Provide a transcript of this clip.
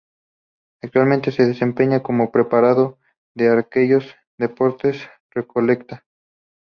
Actualmente se desempeña como preparador de arqueros de Deportes Recoleta.